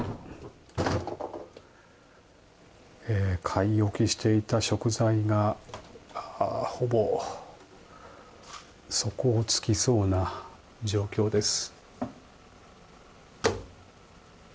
買い置きしていた食材がほぼ底をつきそうな状況です。